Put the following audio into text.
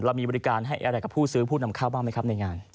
เรามีบริการให้อะไรกับผู้ซื้อผู้นำเข้าบ้างไหมครับในงาน